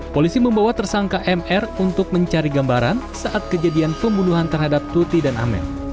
polisi membawa tersangka mr untuk mencari gambaran saat kejadian pembunuhan terhadap tuti dan amen